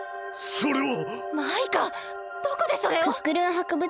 それは！